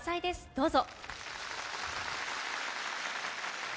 どうぞ。